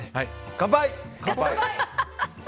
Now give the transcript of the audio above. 乾杯！